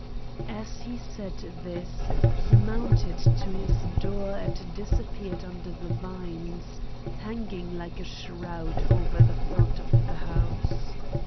As he said this, he mounted to his door and disappeared under the vines, hanging like a shroud over the front of the house.